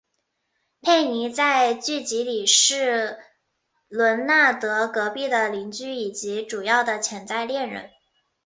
佩妮在剧集里是伦纳德隔壁的邻居以及主要的潜在恋人。